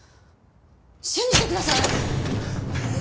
信じてください！